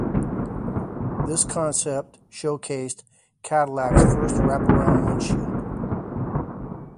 This concept showcased Cadillac's first wrap-around windshield.